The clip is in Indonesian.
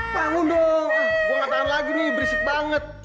bangun dong gue nggak tahan lagi nih berisik banget